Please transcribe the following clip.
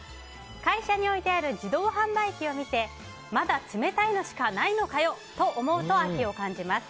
会社に置いてある自動販売機を見てまだ冷たいのしかないのかよと思うと秋を感じます。